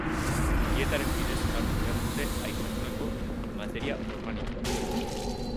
Dietaren bidez hartu behar dute aipatutako materia organikoa.